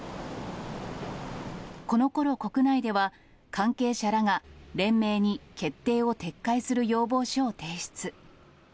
このころ、国内では、関係者らが連盟に決定を撤回する要望書を提出。